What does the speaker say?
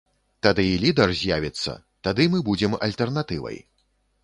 Тады і лідар з'явіцца, тады мы будзем альтэрнатывай.